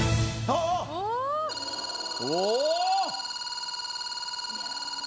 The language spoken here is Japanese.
お！